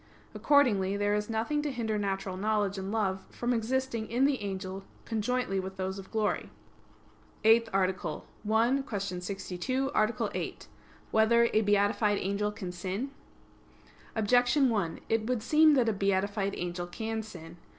Accordingly there is nothing to hinder natural knowledge and love from existing in the angel conjointly with those of glory. _______________________ EIGHTH ARTICLE [I, Q. 62, Art. 8] Whether a Beatified Angel Can Sin? Objection 1: It would seem that a beatified angel can sin.